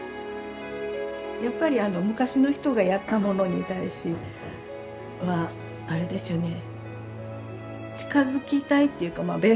やっぱりあの昔の人がやったものに対しあれですよね近づきたいっていうかまあ勉強ですよね